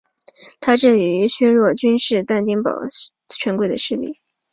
他致力于削弱君士坦丁堡世俗与宗教权贵的势力。